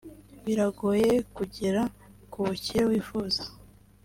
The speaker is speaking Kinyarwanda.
Biragoye kugera ku bukire wifuza